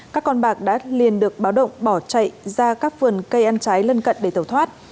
các con bạc đã liền được báo động bỏ chạy ra các vườn cây ăn trái lân cận để tẩu thoát